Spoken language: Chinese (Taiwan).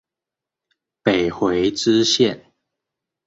北回支線